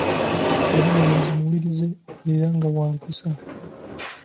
Yali mulenzi muwulize era nga wa mpisa.